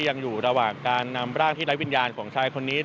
ยังอยู่ระหว่างการนำร่างที่ไร้วิญญาณของชายคนนี้